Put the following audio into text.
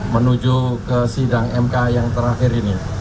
menuju ke sidang mk yang terakhir ini